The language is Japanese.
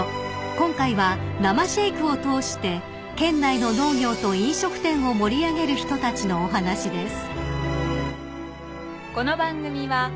［今回は生シェイクを通して県内の農業と飲食店を盛り上げる人たちのお話です］